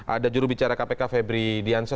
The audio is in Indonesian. ada jurubicara kpk febri diansya